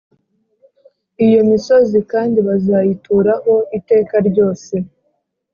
Iyo misozi kandi bazayituraho iteka ryose